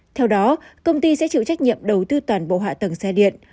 theo đó công ty sẽ chịu trách nhiệm đầu tư toàn bộ hạ tầng xe điện